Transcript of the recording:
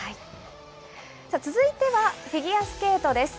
さあ、続いてはフィギュアスケートです。